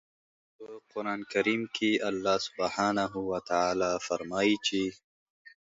په قرآن کریم کې الله سبحانه وتعالی فرمايي چې